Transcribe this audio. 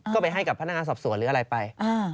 ก็ไปให้กับพนักงานสอบสวนหรืออะไรไป